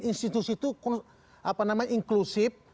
institusi itu apa namanya inklusif